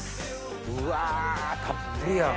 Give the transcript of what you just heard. うわたっぷりやホンマ！